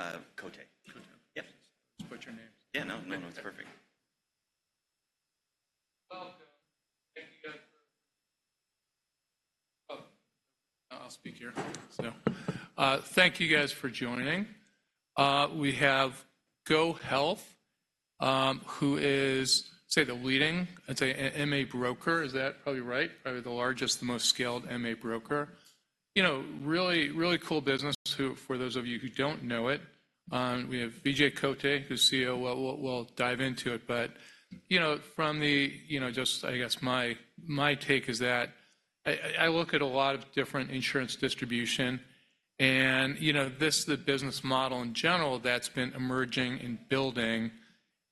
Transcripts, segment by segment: Thank you, Kotte. Kote? Yep. Just put your name. Yeah, no, my name is perfect. Welcome. Thank you, guys, for joining. We have GoHealth, who is, say, the leading, I'd say, MA broker. Is that probably right? Probably the largest, most scaled MA broker. You know, really, really cool business, who, for those of you who don't know it, we have Vijay Kotte, who's CEO. We'll dive into it, but, you know, from the, you know, just, I guess, my take is that I look at a lot of different insurance distribution and, you know, this is the business model in general that's been emerging and building.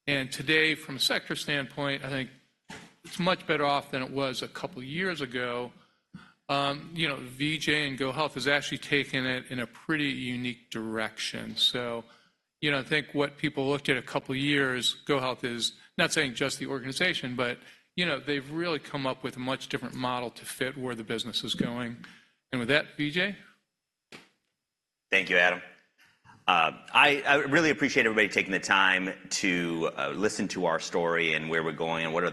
Today, from a sector standpoint, I think it's much better off than it was a couple of years ago. You know, Vijay and GoHealth has actually taken it in a pretty unique direction. So, you know, I think what people looked at a couple of years, GoHealth is, not saying just the organization, but, you know, they've really come up with a much different model to fit where the business is going. And with that, Vijay? Thank you, Adam. I really appreciate everybody taking the time to listen to our story and where we're going and what are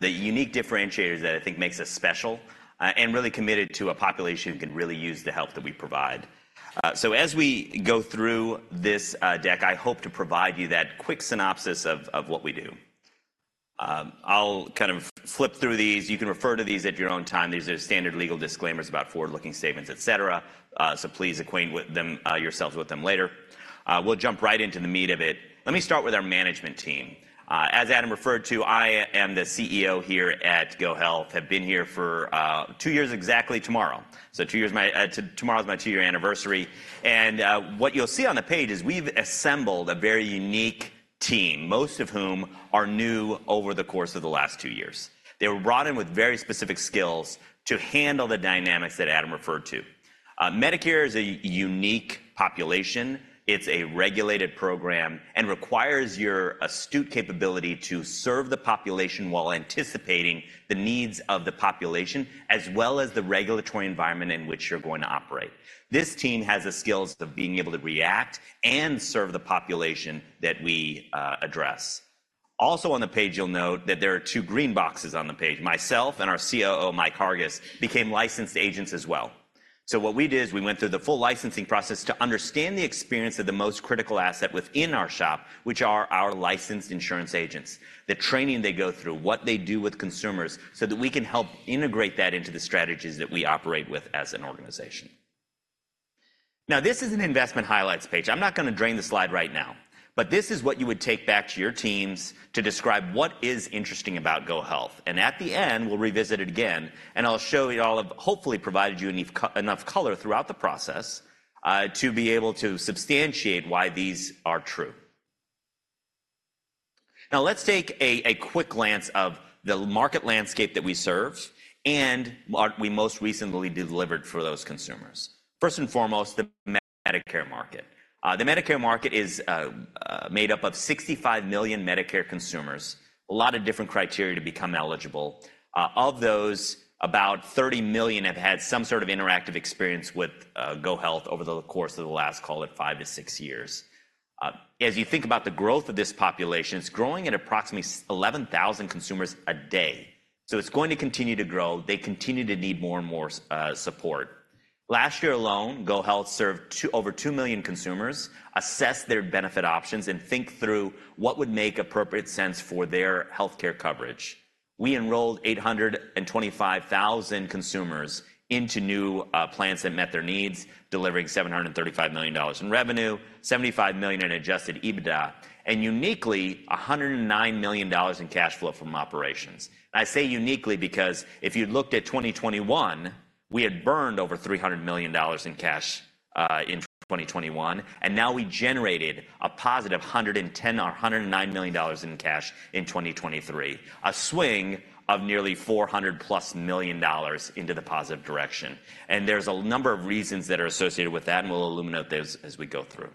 the unique differentiators that I think makes us special, and really committed to a population who can really use the help that we provide. So as we go through this deck, I hope to provide you that quick synopsis of what we do. I'll kind of flip through these. You can refer to these at your own time. These are standard legal disclaimers about forward-looking statements, et cetera, so please acquaint yourselves with them later. We'll jump right into the meat of it. Let me start with our management team. As Adam referred to, I am the CEO here at GoHealth, have been here for two years exactly tomorrow. So, tomorrow's my two-year anniversary, and what you'll see on the page is we've assembled a very unique team, most of whom are new over the course of the last two years. They were brought in with very specific skills to handle the dynamics that Adam referred to. Medicare is a unique population. It's a regulated program and requires your astute capability to serve the population while anticipating the needs of the population, as well as the regulatory environment in which you're going to operate. This team has the skills of being able to react and serve the population that we address. Also on the page, you'll note that there are two green boxes on the page. Myself and our COO, Mike Hargis, became licensed agents as well. So what we did is we went through the full licensing process to understand the experience of the most critical asset within our shop, which are our licensed insurance agents, the training they go through, what they do with consumers, so that we can help integrate that into the strategies that we operate with as an organization. Now, this is an investment highlights page. I'm not going to dive into the slide right now, but this is what you would take back to your teams to describe what is interesting about GoHealth, and at the end, we'll revisit it again, and I'll show you all... Hopefully, provided you enough color throughout the process, to be able to substantiate why these are true. Now, let's take a quick glance of the market landscape that we serve and what we most recently delivered for those consumers. First and foremost, the Medicare market. The Medicare market is made up of 65 million Medicare consumers. A lot of different criteria to become eligible. Of those, about 30 million have had some sort of interactive experience with GoHealth over the course of the last, call it, 5-6 years. As you think about the growth of this population, it's growing at approximately 11,000 consumers a day, so it's going to continue to grow. They continue to need more and more support. Last year alone, GoHealth served over 2 million consumers, assess their benefit options, and think through what would make appropriate sense for their healthcare coverage. We enrolled 825,000 consumers into new plans that met their needs, delivering $735 million in revenue, $75 million in Adjusted EBITDA, and uniquely, $109 million in cash flow from operations. I say uniquely because if you looked at 2021, we had burned over $300 million in cash in 2021, and now we generated a positive $110 or $109 million in cash in 2023, a swing of nearly $400+ million into the positive direction, and there's a number of reasons that are associated with that, and we'll illuminate those as we go through.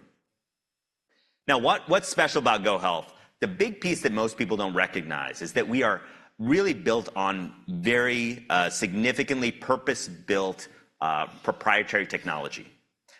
Now, what's special about GoHealth? The big piece that most people don't recognize is that we are really built on very significantly purpose-built proprietary technology.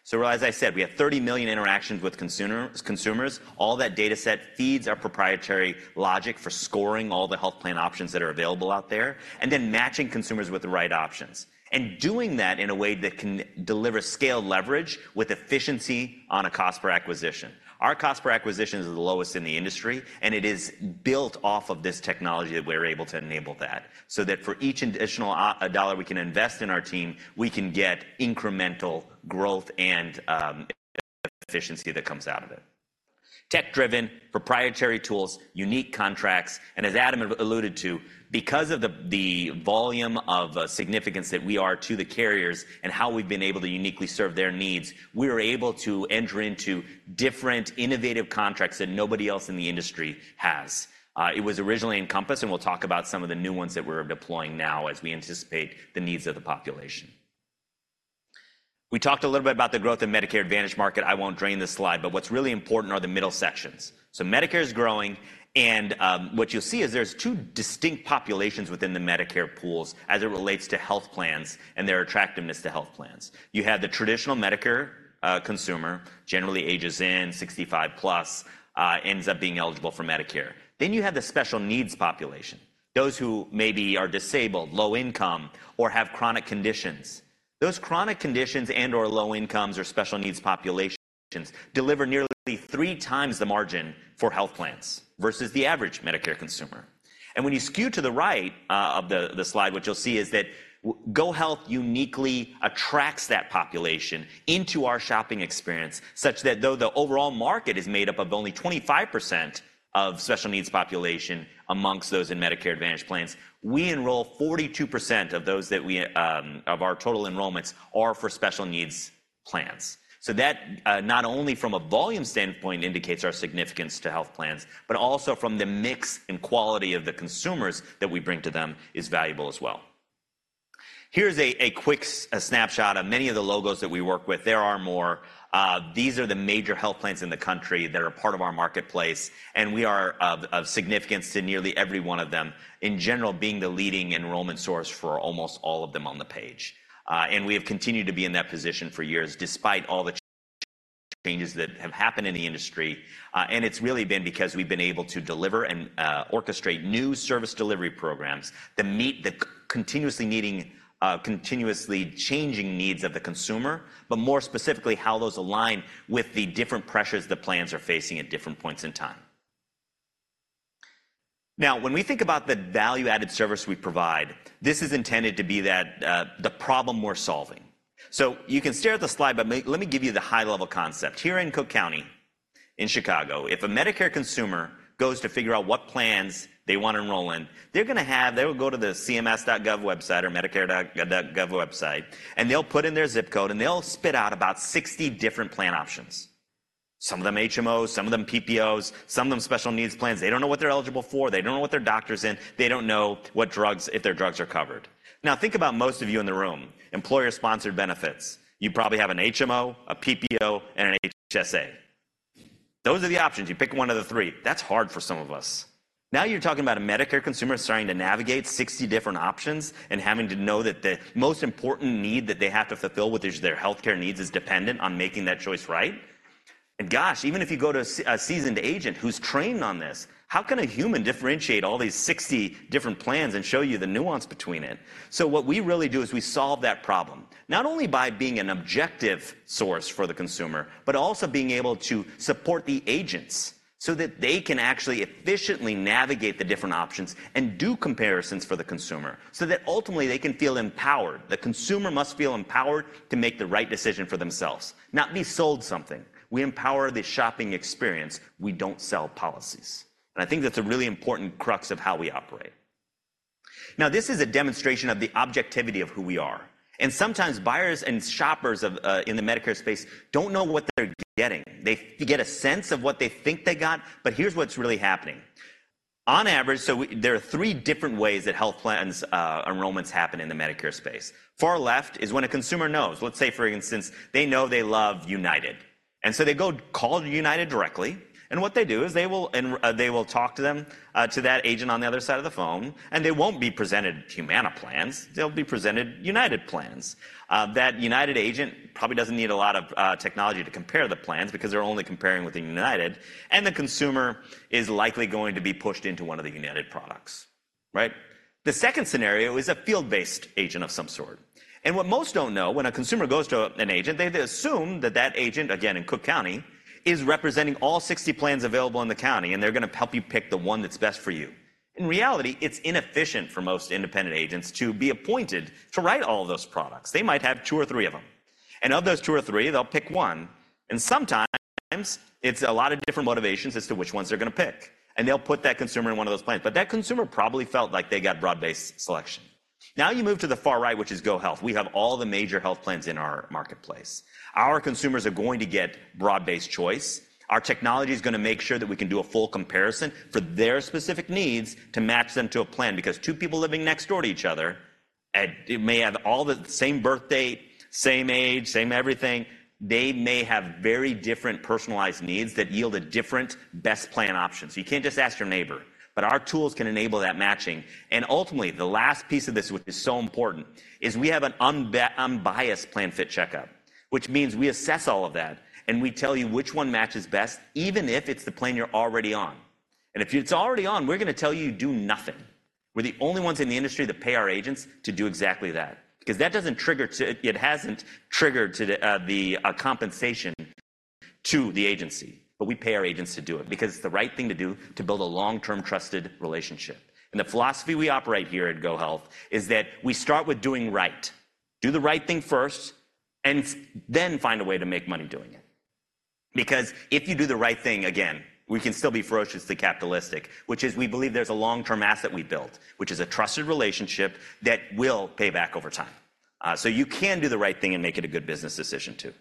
So as I said, we have 30 million interactions with consumers. All that data set feeds our proprietary logic for scoring all the health plan options that are available out there, and then matching consumers with the right options, and doing that in a way that can deliver scaled leverage with efficiency on a cost per acquisition. Our cost per acquisition is the lowest in the industry, and it is built off of this technology that we're able to enable that, so that for each additional dollar we can invest in our team, we can get incremental growth and efficiency that comes out of it. Tech-driven, proprietary tools, unique contracts, and as Adam alluded to, because of the volume of significance that we are to the carriers and how we've been able to uniquely serve their needs, we are able to enter into different innovative contracts that nobody else in the industry has. It was originally Encompass, and we'll talk about some of the new ones that we're deploying now as we anticipate the needs of the population. We talked a little bit about the growth in Medicare Advantage market. I won't drone on this slide, but what's really important are the middle sections. So Medicare is growing, and what you'll see is there's two distinct populations within the Medicare pools as it relates to health plans and their attractiveness to health plans. You have the traditional Medicare consumer, generally ages 65+, ends up being eligible for Medicare. Then you have the special needs population, those who maybe are disabled, low income, or have chronic conditions. Those chronic conditions and/or low incomes or special needs populations deliver nearly three times the margin for health plans versus the average Medicare consumer. And when you skew to the right of the slide, what you'll see is that GoHealth uniquely attracts that population into our shopping experience, such that though the overall market is made up of only 25% of special needs population amongst those in Medicare Advantage plans, we enroll 42% of those that we of our total enrollments are for special needs plans. So that, not only from a volume standpoint, indicates our significance to health plans, but also from the mix and quality of the consumers that we bring to them is valuable as well. Here's a quick snapshot of many of the logos that we work with. There are more. These are the major health plans in the country that are part of our marketplace, and we are of significance to nearly every one of them, in general, being the leading enrollment source for almost all of them on the page. And we have continued to be in that position for years, despite all the changes that have happened in the industry. And it's really been because we've been able to deliver and orchestrate new service delivery programs that meet the continuously changing needs of the consumer, but more specifically, how those align with the different pressures the plans are facing at different points in time. Now, when we think about the value-added service we provide, this is intended to be that, the problem we're solving. So you can stare at the slide, but let me give you the high-level concept. Here in Cook County, in Chicago, if a Medicare consumer goes to figure out what plans they want to enroll in, they're gonna have... They will go to the cms.gov website or medicare.gov website, and they'll put in their zip code, and they'll spit out about 60 different plan options. Some of them HMOs, some of them PPOs, some of them special needs plans. They don't know what they're eligible for. They don't know what their doctor's in. They don't know what drugs, if their drugs are covered. Now, think about most of you in the room, employer-sponsored benefits. You probably have an HMO, a PPO, and an HSA. Those are the options. You pick one of the three. That's hard for some of us. Now, you're talking about a Medicare consumer starting to navigate 60 different options and having to know that the most important need that they have to fulfill with is their healthcare needs is dependent on making that choice right? And gosh, even if you go to a seasoned agent who's trained on this, how can a human differentiate all these 60 different plans and show you the nuance between it? So what we really do is we solve that problem, not only by being an objective source for the consumer, but also being able to support the agents so that they can actually efficiently navigate the different options and do comparisons for the consumer so that ultimately they can feel empowered. The consumer must feel empowered to make the right decision for themselves, not be sold something. We empower the shopping experience. We don't sell policies, and I think that's a really important crux of how we operate. Now, this is a demonstration of the objectivity of who we are, and sometimes buyers and shoppers of, in the Medicare space don't know what they're getting. They get a sense of what they think they got, but here's what's really happening. On average, there are three different ways that health plans, enrollments happen in the Medicare space. Far left is when a consumer knows, let's say, for instance, they know they love United, and so they go call United directly, and what they do is they will talk to them to that agent on the other side of the phone, and they won't be presented Humana plans. They'll be presented United plans. That United agent probably doesn't need a lot of technology to compare the plans because they're only comparing with the United, and the consumer is likely going to be pushed into one of the United products, right? The second scenario is a field-based agent of some sort. What most don't know, when a consumer goes to an agent, they assume that that agent, again, in Cook County, is representing all 60 plans available in the county, and they're gonna help you pick the one that's best for you. In reality, it's inefficient for most independent agents to be appointed to write all of those products. They might have 2 or 3 of them, and of those 2 or 3, they'll pick one, and sometimes it's a lot of different motivations as to which ones they're gonna pick, and they'll put that consumer in one of those plans. But that consumer probably felt like they got broad-based selection. Now, you move to the far right, which is GoHealth. We have all the major health plans in our marketplace. Our consumers are going to get broad-based choice. Our technology is gonna make sure that we can do a full comparison for their specific needs to match them to a plan, because two people living next door to each other may have all the same birth date, same age, same everything, they may have very different personalized needs that yield a different best plan option. So you can't just ask your neighbor, but our tools can enable that matching. And ultimately, the last piece of this, which is so important, is we have an unbiased PlanFit CheckUp, which means we assess all of that, and we tell you which one matches best, even if it's the plan you're already on. And if it's already on, we're gonna tell you, "Do nothing." We're the only ones in the industry that pay our agents to do exactly that because that doesn't trigger to... It hasn't triggered to the compensation to the agency. But we pay our agents to do it because it's the right thing to do to build a long-term, trusted relationship. The philosophy we operate here at GoHealth is that we start with doing right. Do the right thing first and then find a way to make money doing it. Because if you do the right thing, again, we can still be ferociously capitalistic, which is we believe there's a long-term asset we built, which is a trusted relationship that will pay back over time. So you can do the right thing and make it a good business decision, too.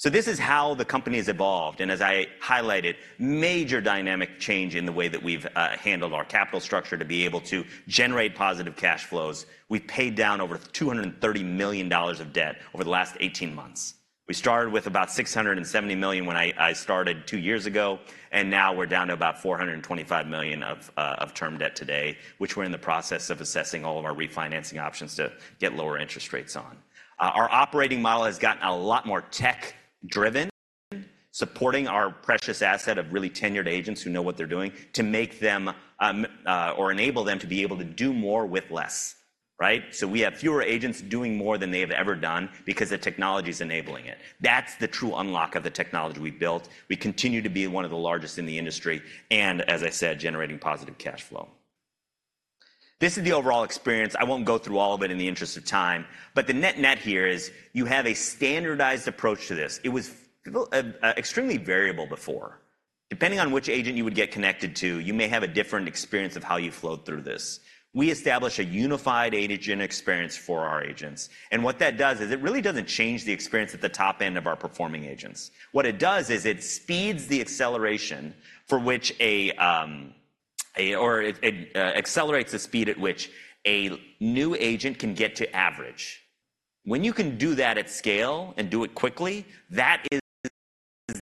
So this is how the company has evolved, and as I highlighted, major dynamic change in the way that we've handled our capital structure to be able to generate positive cash flows. We've paid down over $230 million of debt over the last 18 months. We started with about $670 million when I started two years ago, and now we're down to about $425 million of term debt today, which we're in the process of assessing all of our refinancing options to get lower interest rates on. Our operating model has gotten a lot more tech-driven, supporting our precious asset of really tenured agents who know what they're doing, or enable them to be able to do more with less, right? So we have fewer agents doing more than they have ever done because the technology is enabling it. That's the true unlock of the technology we built. We continue to be one of the largest in the industry, and as I said, generating positive cash flow. This is the overall experience. I won't go through all of it in the interest of time, but the net-net here is you have a standardized approach to this. It was extremely variable before. Depending on which agent you would get connected to, you may have a different experience of how you flowed through this. We establish a unified agent experience for our agents, and what that does is it really doesn't change the experience at the top end of our performing agents. What it does is it speeds the acceleration for which a or it accelerates the speed at which a new agent can get to average. When you can do that at scale and do it quickly, that is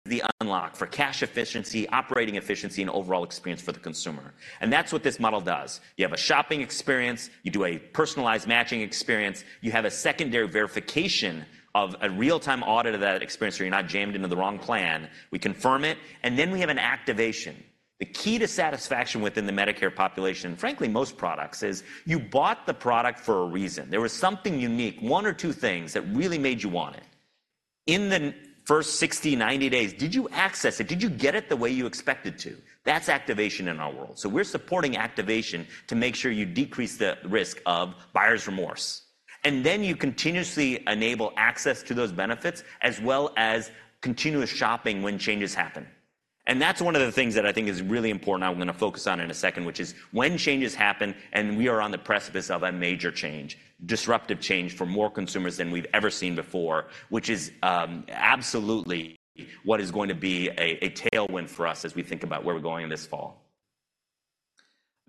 the unlock for cash efficiency, operating efficiency, and overall experience for the consumer. That's what this model does. You have a shopping experience, you do a personalized matching experience, you have a secondary verification of a real-time audit of that experience, so you're not jammed into the wrong plan. We confirm it, and then we have an activation. The key to satisfaction within the Medicare population, frankly, most products, is you bought the product for a reason. There was something unique, one or two things that really made you want it. In the first 60, 90 days, did you access it? Did you get it the way you expected to? That's activation in our world. We're supporting activation to make sure you decrease the risk of buyer's remorse. And then you continuously enable access to those benefits, as well as continuous shopping when changes happen. And that's one of the things that I think is really important, I'm gonna focus on in a second, which is when changes happen, and we are on the precipice of a major change, disruptive change for more consumers than we've ever seen before, which is, absolutely what is going to be a tailwind for us as we think about where we're going this fall.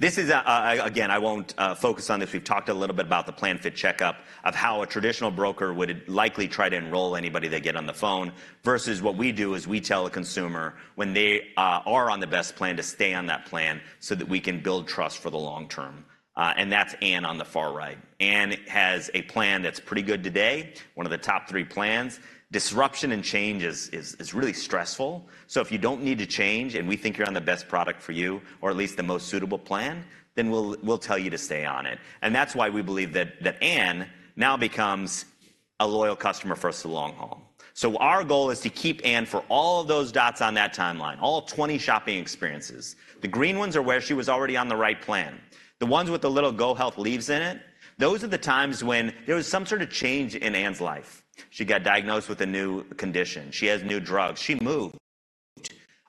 This is, again, I won't focus on this. We've talked a little bit about the PlanFit CheckUp, of how a traditional broker would likely try to enroll anybody they get on the phone, versus what we do is we tell a consumer when they are on the best plan, to stay on that plan so that we can build trust for the long term. And that's Anne on the far right. Anne has a plan that's pretty good today, one of the top three plans. Disruption and change is really stressful. So if you don't need to change and we think you're on the best product for you, or at least the most suitable plan, then we'll tell you to stay on it. And that's why we believe that Anne now becomes a loyal customer for us the long haul. So our goal is to keep Anne for all of those dots on that timeline, all 20 shopping experiences. The green ones are where she was already on the right plan. The ones with the little GoHealth leaves in it, those are the times when there was some sort of change in Anne's life. She got diagnosed with a new condition, she adds new drugs, she moved.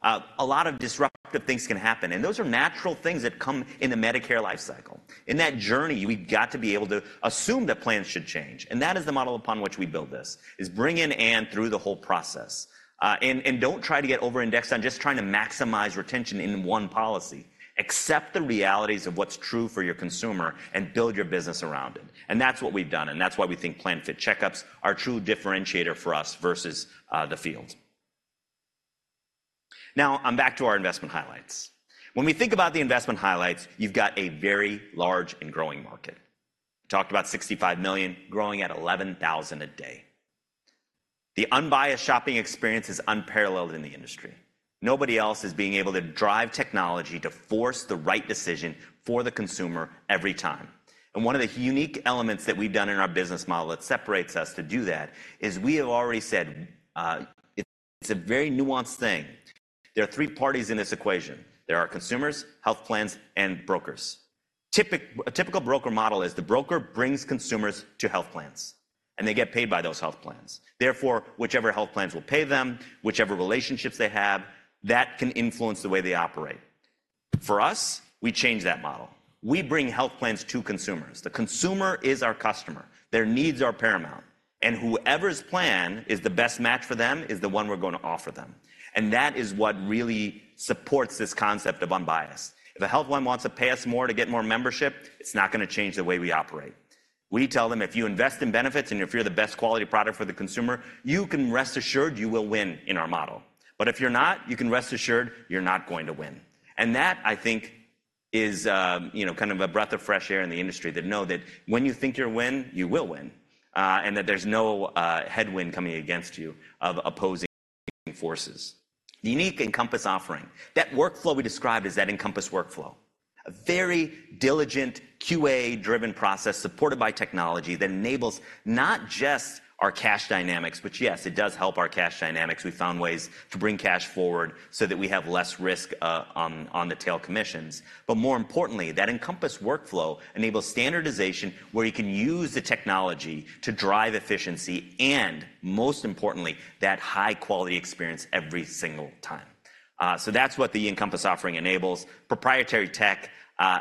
A lot of disruptive things can happen, and those are natural things that come in the Medicare life cycle. In that journey, we've got to be able to assume that plans should change, and that is the model upon which we build this, is bring in Anne through the whole process, and don't try to get overindexed on just trying to maximize retention in one policy. Accept the realities of what's true for your consumer and build your business around it. And that's what we've done, and that's why we think PlanFit CheckUps are a true differentiator for us versus the field. Now, I'm back to our investment highlights. When we think about the investment highlights, you've got a very large and growing market. We talked about 65 million, growing at 11,000 a day. The unbiased shopping experience is unparalleled in the industry. Nobody else is being able to drive technology to force the right decision for the consumer every time. And one of the unique elements that we've done in our business model that separates us to do that is we have already said it's a very nuanced thing. There are three parties in this equation. There are consumers, health plans, and brokers. A typical broker model is the broker brings consumers to health plans, and they get paid by those health plans. Therefore, whichever health plans will pay them, whichever relationships they have, that can influence the way they operate. For us, we change that model. We bring health plans to consumers. The consumer is our customer. Their needs are paramount, and whoever's plan is the best match for them is the one we're going to offer them. And that is what really supports this concept of unbiased. If a health plan wants to pay us more to get more membership, it's not gonna change the way we operate. We tell them, "If you invest in benefits, and if you're the best quality product for the consumer, you can rest assured you will win in our model. But if you're not, you can rest assured you're not going to win." And that, I think, is, you know, kind of a breath of fresh air in the industry, to know that when you think you'll win, you will win, and that there's no headwind coming against you of opposing forces. Unique Encompass offering. That workflow we described is that Encompass workflow, a very diligent, QA-driven process supported by technology that enables not just our cash dynamics, but yes, it does help our cash dynamics. We've found ways to bring cash forward so that we have less risk on the tail commissions. But more importantly, that Encompass workflow enables standardization, where you can use the technology to drive efficiency and, most importantly, that high-quality experience every single time. So that's what the Encompass offering enables. Proprietary tech,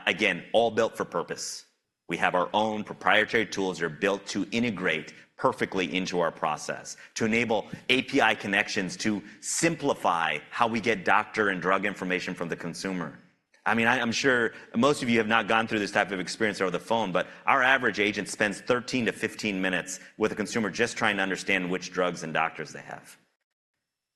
again, all built for purpose. We have our own proprietary tools that are built to integrate perfectly into our process, to enable API connections to simplify how we get doctor and drug information from the consumer. I mean, I, I'm sure most of you have not gone through this type of experience over the phone, but our average agent spends 13-15 minutes with a consumer just trying to understand which drugs and doctors they have.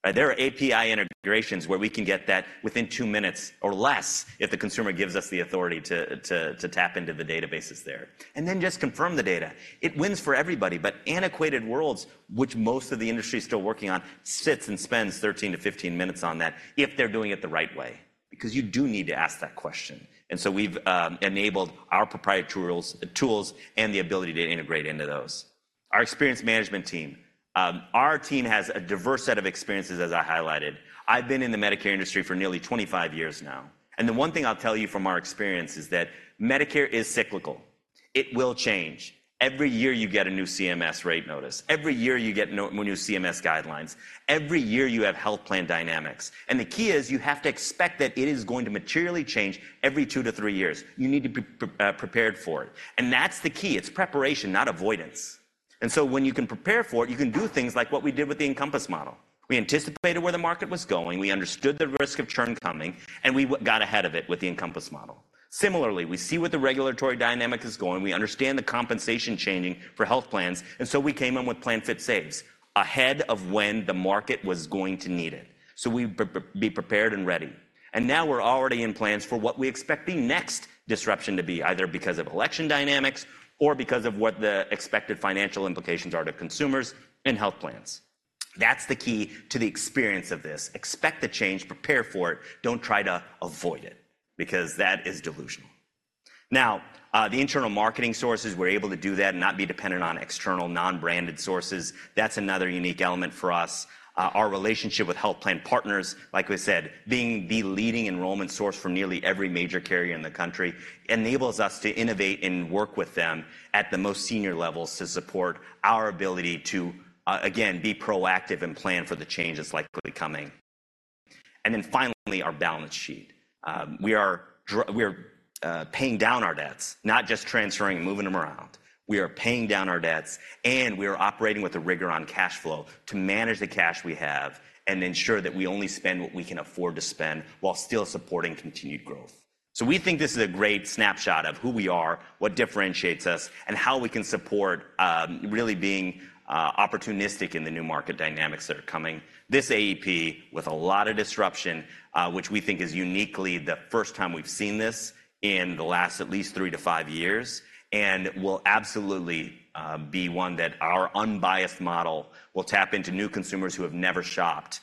Right, there are API integrations where we can get that within 2 minutes or less if the consumer gives us the authority to, to, to tap into the databases there, and then just confirm the data. It wins for everybody. But antiquated worlds, which most of the industry is still working on, sits and spends 13-15 minutes on that if they're doing it the right way, because you do need to ask that question. And so we've enabled our proprietary tools and the ability to integrate into those. Our experience management team. Our team has a diverse set of experiences, as I highlighted. I've been in the Medicare industry for nearly 25 years now, and the one thing I'll tell you from our experience is that Medicare is cyclical. It will change. Every year you get a new CMS rate notice. Every year you get new CMS guidelines. Every year you have health plan dynamics, and the key is you have to expect that it is going to materially change every 2-3 years. You need to be prepared for it, and that's the key. It's preparation, not avoidance. And so when you can prepare for it, you can do things like what we did with the Encompass model. We anticipated where the market was going, we understood the risk of churn coming, and we got ahead of it with the Encompass model. Similarly, we see where the regulatory dynamic is going, we understand the compensation changing for health plans, and so we came in with PlanFit Saves ahead of when the market was going to need it. So we prepare to be prepared and ready, and now we're already in plans for what we expect the next disruption to be, either because of election dynamics or because of what the expected financial implications are to consumers and health plans. That's the key to the experience of this. Expect the change, prepare for it, don't try to avoid it, because that is delusional. Now, the internal marketing sources, we're able to do that and not be dependent on external, non-branded sources. That's another unique element for us. Our relationship with health plan partners, like we said, being the leading enrollment source for nearly every major carrier in the country, enables us to innovate and work with them at the most senior levels to support our ability to, again, be proactive and plan for the change that's likely coming. Then finally, our balance sheet. We are paying down our debts, not just transferring and moving them around. We are paying down our debts, and we are operating with a rigor on cash flow to manage the cash we have and ensure that we only spend what we can afford to spend while still supporting continued growth. So we think this is a great snapshot of who we are, what differentiates us, and how we can support really being opportunistic in the new market dynamics that are coming. This AEP, with a lot of disruption, which we think is uniquely the first time we've seen this in the last at least 3-5 years, and will absolutely be one that our unbiased model will tap into new consumers who have never shopped,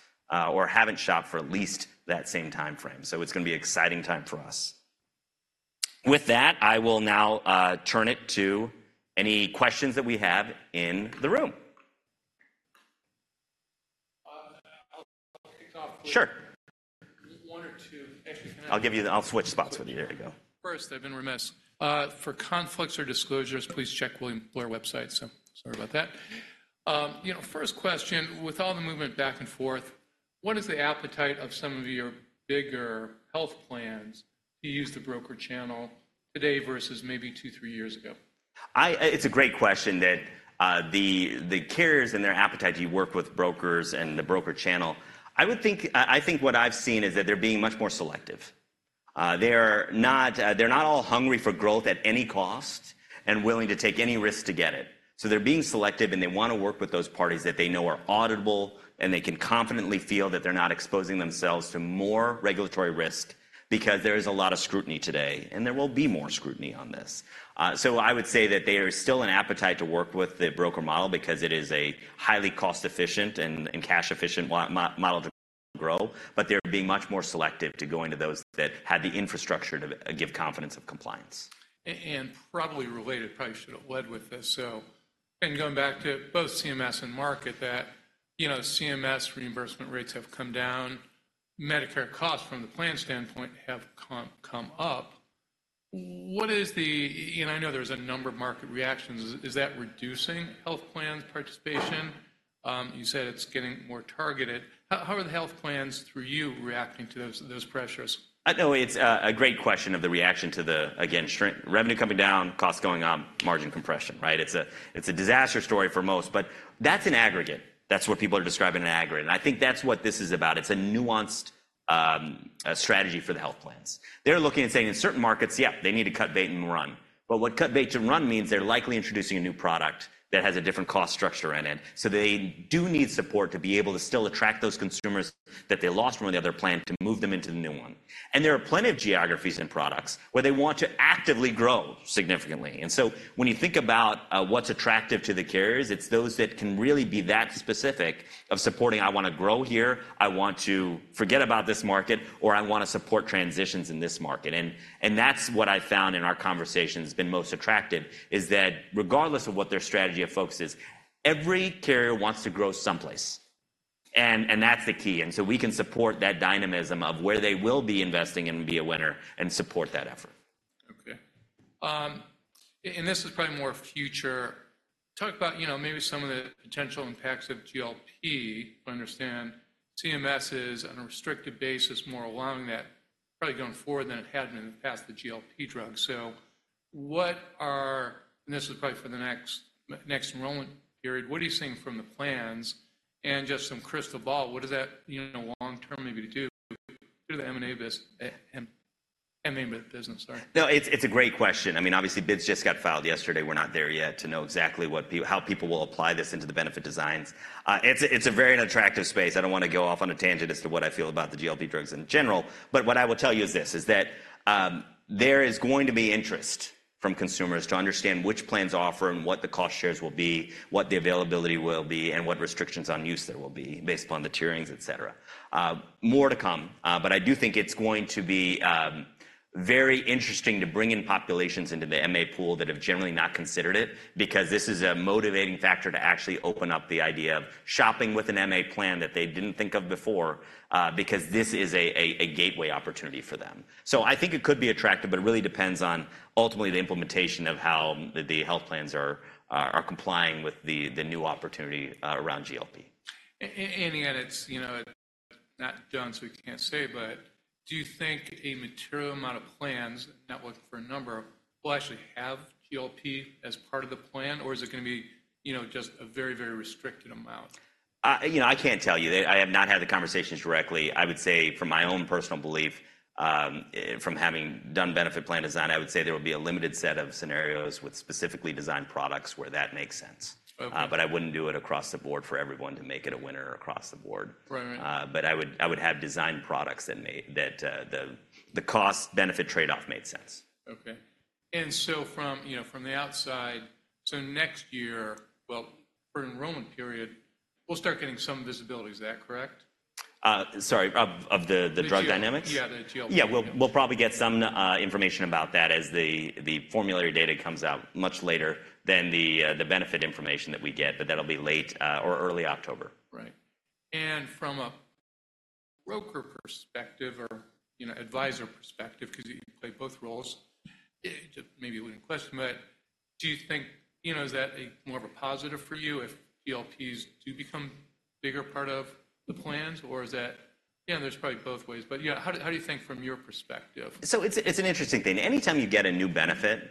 or haven't shopped for at least that same time frame. So it's going to be an exciting time for us. With that, I will now turn it to any questions that we have in the room. I'll kick off with- Sure. Actually, can I- I'll switch spots with you. Here you go. First, I've been remiss. For conflicts or disclosures, please check William Blair website, so sorry about that. You know, first question: with all the movement back and forth, what is the appetite of some of your bigger health plans to use the broker channel today versus maybe two, three years ago? It's a great question that the carriers and their appetite to work with brokers and the broker channel. I think what I've seen is that they're being much more selective. They're not all hungry for growth at any cost and willing to take any risk to get it. So they're being selective, and they want to work with those parties that they know are auditable, and they can confidently feel that they're not exposing themselves to more regulatory risk because there is a lot of scrutiny today, and there will be more scrutiny on this. So I would say that there is still an appetite to work with the broker model because it is a highly cost-efficient and cash-efficient model to grow, but they're being much more selective to going to those that have the infrastructure to give confidence of compliance. And probably related, probably should have led with this, so... And going back to both CMS and market, that, you know, CMS reimbursement rates have come down, Medicare costs from the plan standpoint have come up. What is the... and I know there's a number of market reactions. Is that reducing health plans participation? You said it's getting more targeted. How are the health plans through you reacting to those pressures? No, it's a great question of the reaction to the, again, shrinking revenue coming down, costs going up, margin compression, right? It's a, it's a disaster story for most, but that's an aggregate. That's what people are describing in an aggregate, and I think that's what this is about. It's a nuanced strategy for the health plans. They're looking and saying in certain markets, yeah, they need to cut bait and run. But what cut bait and run means they're likely introducing a new product that has a different cost structure in it. So they do need support to be able to still attract those consumers that they lost from the other plan to move them into the new one. And there are plenty of geographies and products where they want to actively grow significantly. When you think about what's attractive to the carriers, it's those that can really be that specific of supporting, "I want to grow here," "I want to forget about this market," or, "I want to support transitions in this market." And that's what I found in our conversations has been most attractive, is that regardless of what their strategy of focus is, every carrier wants to grow someplace, and that's the key. And so we can support that dynamism of where they will be investing and be a winner and support that effort. Okay. And this is probably more future. Talk about, you know, maybe some of the potential impacts of GLP. I understand CMS is, on a restricted basis, more allowing that, probably going forward than it had been in the past, the GLP drug. So what are, and this is probably for the next, next enrollment period, what are you seeing from the plans? And just some crystal ball, what does that, you know, long term maybe do to the MA business? Sorry. No, it's, it's a great question. I mean, obviously, bids just got filed yesterday. We're not there yet to know exactly what people, how people will apply this into the benefit designs. It's a very unattractive space. I don't want to go off on a tangent as to what I feel about the GLP drugs in general, but what I will tell you is this, that, there is going to be interest from consumers to understand which plans offer and what the cost shares will be, what the availability will be, and what restrictions on use there will be, based upon the tierings, et cetera. More to come, but I do think it's going to be very interesting to bring in populations into the MA pool that have generally not considered it, because this is a motivating factor to actually open up the idea of shopping with an MA plan that they didn't think of before, because this is a gateway opportunity for them. So I think it could be attractive, but it really depends on ultimately the implementation of how the health plans are complying with the new opportunity around GLP. And yet it's, you know, it's not done, so we can't say, but do you think a material amount of plans, not looking for a number, will actually have GLP as part of the plan, or is it gonna be, you know, just a very, very restricted amount? You know, I can't tell you. I have not had the conversations directly. I would say, from my own personal belief, from having done benefit plan design, I would say there will be a limited set of scenarios with specifically designed products where that makes sense. Okay. I wouldn't do it across the board for everyone to make it a winner across the board. Right, right. But I would have designed products that made the cost-benefit trade-off made sense. Okay. And so from, you know, from the outside, so next year, well, for enrollment period, we'll start getting some visibility. Is that correct? Sorry, of the drug dynamics? The GLP. Yeah, the GLP. Yeah, we'll probably get some information about that as the formulary data comes out much later than the benefit information that we get, but that'll be late or early October. Right. And from a broker perspective or, you know, advisor perspective, 'cause you play both roles, maybe a leading question, but do you think, you know, is that more of a positive for you if GLPs do become bigger part of the plans, or is that... Yeah, there's probably both ways, but, yeah, how do, how do you think from your perspective? So it's an interesting thing. Anytime you get a new benefit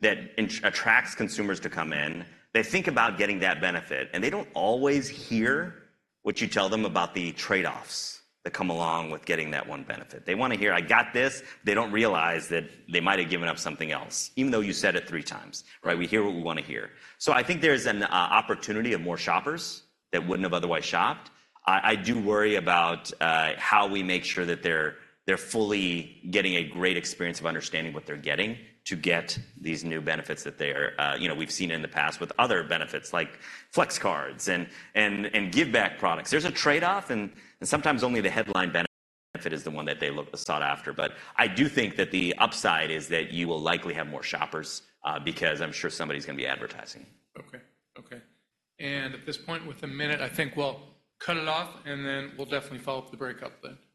that attracts consumers to come in, they think about getting that benefit, and they don't always hear what you tell them about the trade-offs that come along with getting that one benefit. They want to hear, "I got this." They don't realize that they might have given up something else, even though you said it three times, right? We hear what we wanna hear. So I think there's an opportunity of more shoppers that wouldn't have otherwise shopped. I do worry about how we make sure that they're fully getting a great experience of understanding what they're getting to get these new benefits that they are. You know, we've seen in the past with other benefits, like Flex Cards and give back products. There's a trade-off, and sometimes only the headline benefit is the one that they look sought after. But I do think that the upside is that you will likely have more shoppers, because I'm sure somebody's gonna be advertising. Okay. Okay. At this point, with a minute, I think we'll cut it off, and then we'll definitely follow up the break up then.